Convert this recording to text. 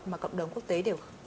mà cộng đồng quốc tế đều